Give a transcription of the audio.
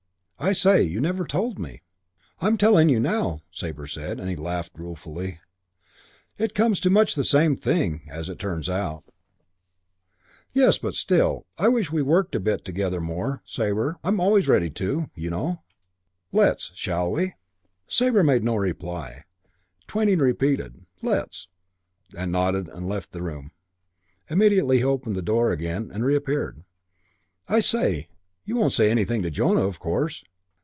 "I say, you never told me." "I'm telling you now," Sabre said. And he laughed ruefully. "It comes to much the same thing as it turns out." "Yes, but still.... I wish we worked in a bit more together, Sabre. I'm always ready to, you know. Let's, shall we?" Sabre made no reply. Twyning repeated "Let's" and nodded and left the room. Immediately he opened the door again and reappeared. "I say, you won't say anything to Jonah, of course?"